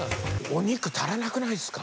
お肉足らなくないっすか？